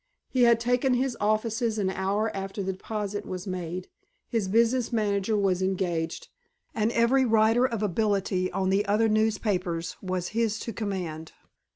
He had taken his offices an hour after the deposit was made; his business manager was engaged, and every writer of ability on the other newspapers was his to command.